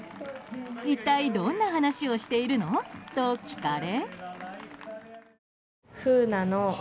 一体どんな話をしているの？と聞かれ。